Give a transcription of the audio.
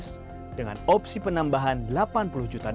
penghubungan yang lebar adalah